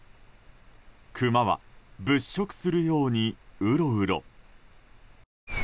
クマは物色するようにうろうろ。